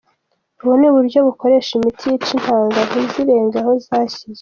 Ubu ni uburyo bukoresha imiti yica intanga ntizirenge aho zashyizwe.